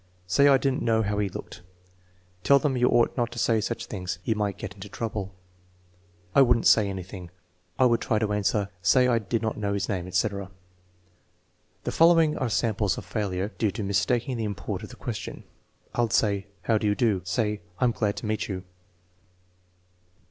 "Say I did n't know how he looked." "Tell them you ought not to say such things; you might get into trouble." "I wouldn't say anything." "I would try to answer." "Say I did not know his name," etc. The following are samples of failure due to mistaking the im port of the question: "I 'd say, *How do you do?' " "Say, 'I 'm glad to meet you.'"